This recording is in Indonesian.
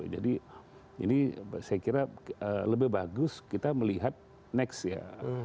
jadi ini saya kira lebih bagus kita melihat next ya